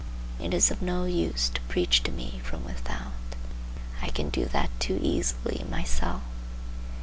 It is of no use to preach to me from without. I can do that too easily myself.